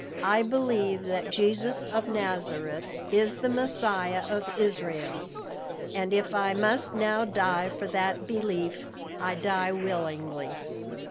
I believe that Jesus of Nazareth is the Messiah of Israel; and if I must now die for that belief, I die willingly."